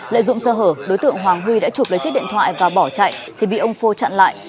lợi dụng sơ hở đối tượng hoàng huy đã chụp lấy chiếc điện thoại và bỏ chạy thì bị ông phô chặn lại